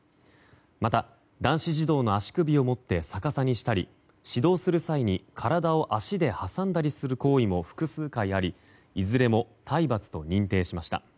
また、男子児童の足首を持って逆さにしたり、指導する際に体を足で挟んだりする行為も複数回ありいずれも体罰と認定しました。